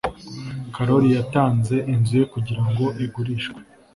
kalori yatanze inzu ye kugira ngo igurishwe